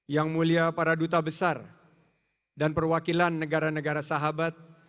yang mulia para duta besar dan perwakilan negara negara sahabat